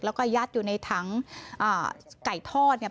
แล้วก็ยัดอยู่ในถังอ่าไก่ทอดเนี่ย